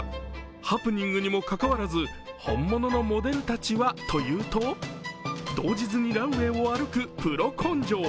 ハプニングにもかかわらず本物のモデルたちはというと動じずにランウェイを歩くプロ根性。